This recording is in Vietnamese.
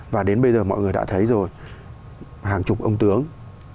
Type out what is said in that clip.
và đến bây giờ mọi người đã thấy rồi hàng chục ông tướng